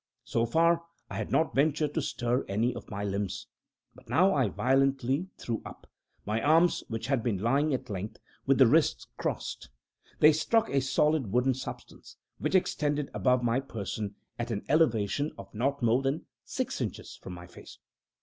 So far, I had not ventured to stir any of my limbs but now I violently threw up my arms, which had been lying at length, with the wrists crossed. They struck a solid wooden substance, which extended above my person at an elevation of not more than six inches from my face.